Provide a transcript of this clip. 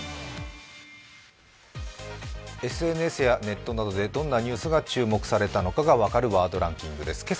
ＳＮＳやネットなどでどんなニュースが注目されたのかが分かるワードランキングです。